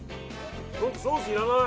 ソースいらない！